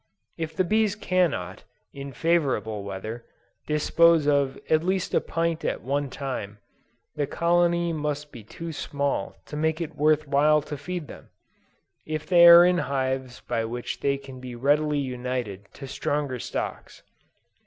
If the bees cannot, in favorable weather, dispose of at least a pint at one time, the colony must be too small to make it worth while to feed them, if they are in hives by which they can be readily united to stronger stocks.